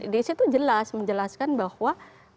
di situ jelas menjelaskan bahwa